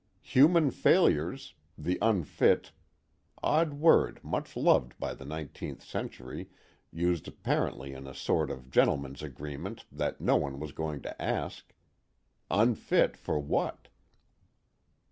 Human failures: the unfit odd word much loved by the nineteenth century, used apparently in a sort of gentleman's agreement that no one was going to ask: unfit for what?